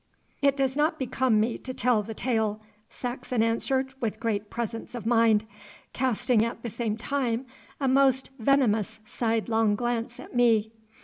'It does not become me to tell the tale,' Saxon answered with great presence of mind, casting at the same time a most venomous sidelong glance at me.